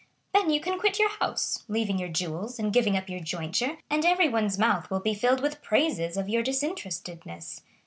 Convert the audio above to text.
Then you can quit your house, leaving your jewels and giving up your jointure, and everyone's mouth will be filled with praises of your disinterestedness.